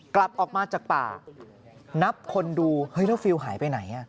กลับออกมาจากป่านับคนดูเฮ้ยแล้วฟิลล์หายไปไหน